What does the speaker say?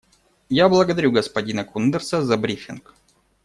Я благодарю господина Кундерса за брифинг.